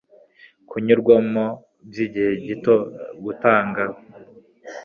kinyurwamo by igihe gito gutanga